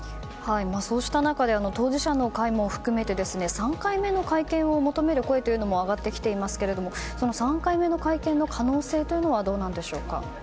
そうした中で当事者の会も含め３回目の会見を求める声も上がってきていますがその３回目の会見の可能性はどうなんでしょうか。